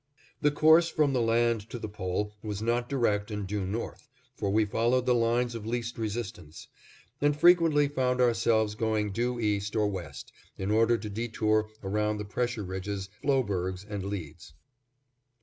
The course from the land to the Pole was not direct and due north, for we followed the lines of least resistance, and frequently found ourselves going due east or west, in order to detour around pressure ridges, floebergs, and leads.